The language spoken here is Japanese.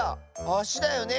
あしだよね？